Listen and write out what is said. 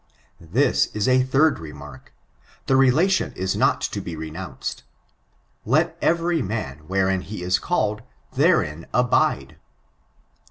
This b the diird remark : The reladoD Is not to be reiumnced— ^Let every man wiierein he is called, thereia alnde."